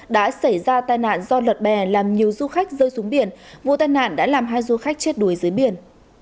đã xảy ra tai nạn do lật bè làm nhiều du khách rơi xuống biển vụ tai nạn đã làm hai du khách chết đuối dưới biển